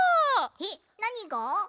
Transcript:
えっなにが？